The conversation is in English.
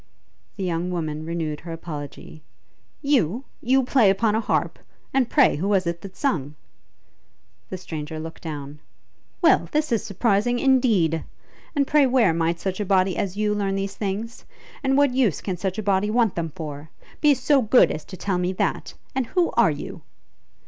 The young woman renewed her apology. 'You? You play upon a harp? And pray who was it that sung?' The stranger looked down. 'Well, this is surprising indeed! And pray where might such a body as you learn these things? And what use can such a body want them for? Be so good as to tell me that; and who you are?'